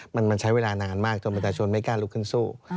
มันใช้เวลานานมากจนประชาชนไม่กล้าลุกขึ้นสู้